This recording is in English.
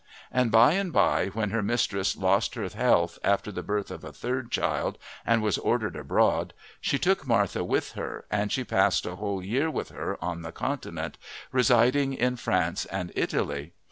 And by and by when her mistress lost her health after the birth of a third child and was ordered abroad, she took Martha with her, and she passed a whole year with her on the Continent, residing in France and Italy.